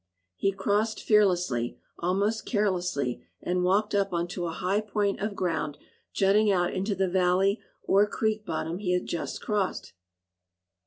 He crossed fearlessly, almost carelessly, and walked up on to a high point of ground jutting out into the valley or creek bottom he had just crossed.